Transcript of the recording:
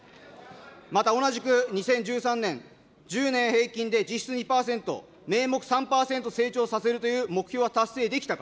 また同じく、２０１３年、１０年平均で実質２％、名目３％成長させるという目標は達成できたか。